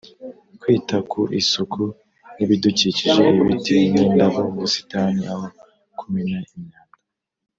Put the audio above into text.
kwita ku isuku n’ibidukikije ibiti n’indabo, ubusitani, aho kumena imyanda